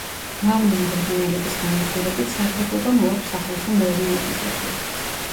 მავნე მღრღნელების განადგურებით სარგებლობა მოაქვს სახალხო მეურნეობისათვის.